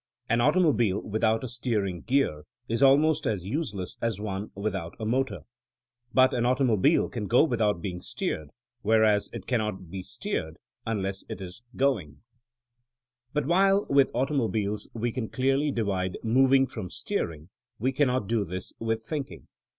An automo bile without a steering gear is almost as useless as one without a motor. But an automobile can go without being steered, whereas it cannot be steered unless it is going. 61 52 THINKINO AS A SCIENCE But whUe with automobiles we can clearly divide moving from steering, we cannot do this with thinking.